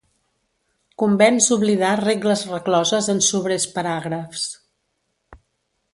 Convens oblidar regles recloses en sobrers paràgrafs.